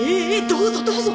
どうぞどうぞ。